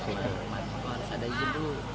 harus ada izin dulu